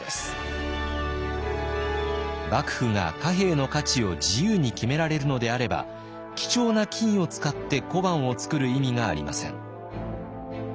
幕府が貨幣の価値を自由に決められるのであれば貴重な金を使って小判を造る意味がありません。